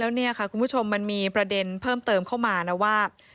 แล้วเนี่ยค่ะคุณผู้ชมมันมีประเด็นเพิ่มเติมเข้ามานะว่า